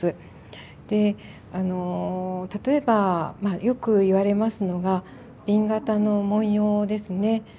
例えばまあよく言われますのが紅型の文様ですね。